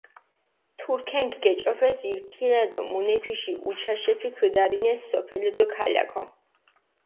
თურქენქ გეჭოფეს ირ ქიანა დო მუნეფიში უჩაშეფი ქჷდარინეს სოფელო დო ქალაქო.